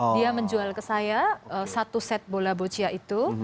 dia menjual ke saya satu set bola boccia itu